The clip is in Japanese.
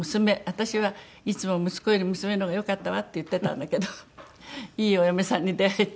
私はいつも「息子より娘の方がよかったわ」って言ってたんだけどいいお嫁さんに出会えて。